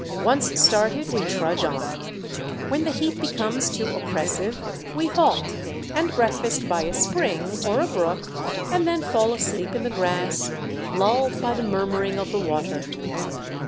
Once started, we trudge on. When the heat be comes too oppressive, we halt, and breakfast by a spring, or a brook, and then fall asleep in the grass, lulled by the murmuring of the water.